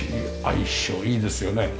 相性いいですよね。